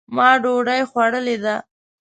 ما ډوډۍ خوړلې ده.